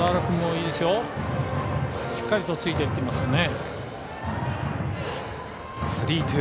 君、しっかりとついていってます。